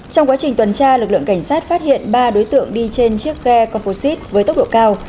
trong quá trình tuần tra lực lượng cảnh sát phát hiện ba đối tượng đi trên chiếc ge composite với tốc độ cao